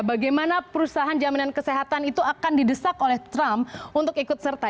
bagaimana perusahaan jaminan kesehatan itu akan didesak oleh trump untuk ikut serta